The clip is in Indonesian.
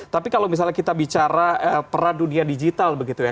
tapi kalau misalnya kita bicara peran dunia digital begitu ya